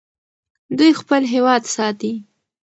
دوی خپل هېواد ساتي.